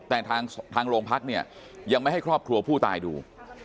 แต่ทางโรงพักเนี่ยยังไม่ให้ครอบครัวผู้ตายดู